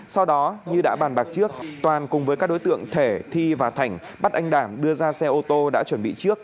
sau đó như đã bàn bạc trước toàn cùng với các đối tượng thể thi và thành bắt anh đảng đưa ra xe ô tô đã chuẩn bị trước